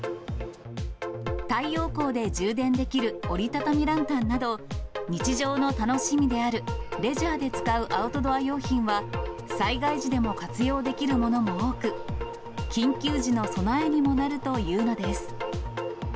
太陽光で充電できる折り畳みランタンなど、日常の楽しみであるレジャーで使うアウトドア用品は、災害時でも活用できるものも多く、緊急時の備えにもなるというのです。